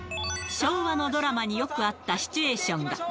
昭和のドラマによくあったシチュエーションが。